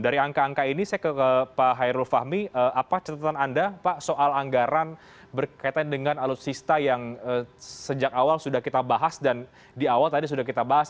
dari angka angka ini saya ke pak hairul fahmi apa catatan anda pak soal anggaran berkaitan dengan alutsista yang sejak awal sudah kita bahas dan di awal tadi sudah kita bahas